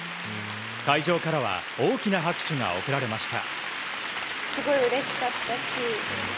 会場からは大きな拍手が送られました。